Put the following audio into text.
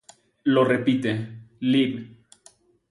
Lo repite, "lib.